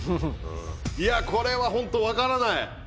これはホント分からない！